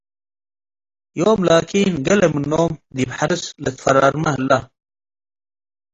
ዮም ላኪን ገሌ ምኖም ዲብ ሐርስ ለትፈረራመ ሀለ ።